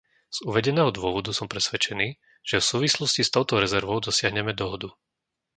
Z uvedeného dôvodu som presvedčený, že v súvislosti s touto rezervou dosiahneme dohodu.